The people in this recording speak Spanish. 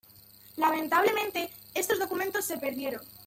Lamentablemente, estos documentos se perdieron.